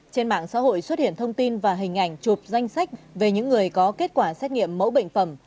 trên mạng xã hội xuất hiện thông tin và hình ảnh chụp danh sách về những người có kết quả xét nghiệm mẫu bệnh phẩm